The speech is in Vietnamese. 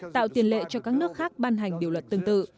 tạo tiền lệ cho các nước khác ban hành điều luật tương tự